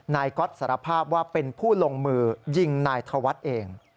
ก๊อตสารภาพว่าเป็นผู้ลงมือยิงนายธวัฒน์เอง